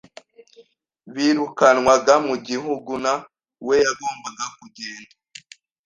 birukanwaga mu gihuguna we yagombaga kugenda